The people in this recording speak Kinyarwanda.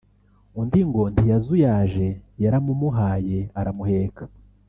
undi ngo ntiyazuyaje yaramumuhaye aramuheka